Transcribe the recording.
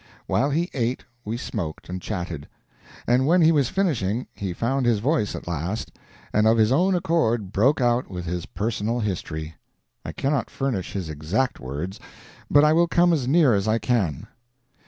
While he ate, we smoked and chatted; and when he was finishing he found his voice at last, and of his own accord broke out with his personal history. I cannot furnish his exact words, but I will come as near it as I can.